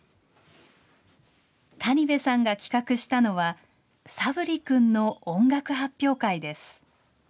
谷部さんが企画したのは、佐分利君の音楽発表会です。